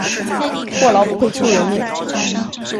过劳不会出人命